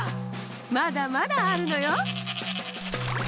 まだまだあるのよ！